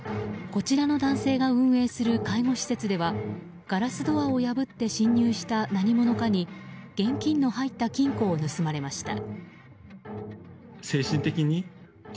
こちらの男性が運営する介護施設ではガラスドアを破って侵入した何者かに現金の入った金庫を盗まれました。